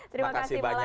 terima kasih banyak